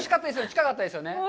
近かったですよね。